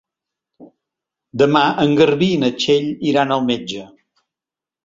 Demà en Garbí i na Txell iran al metge.